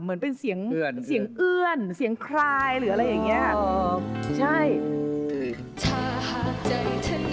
เหมือนเป็นเสียงเสียงเอื้อนเสียงคลายหรืออะไรอย่างนี้